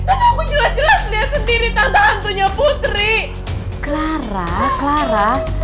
kita ngomong jelas lihat sendiri tanda hantunya putri clara clara